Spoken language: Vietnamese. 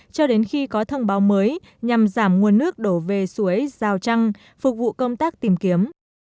cho đến khi có thông báo mới nhằm giảm nguồn nước đổ về suối rào trăng phục vụ công tác tìm kiếm